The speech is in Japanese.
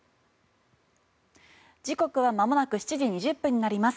時刻はまもなく７時２０分になります。